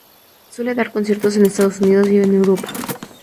Suele dar conciertos en Estados Unidos y en Europa.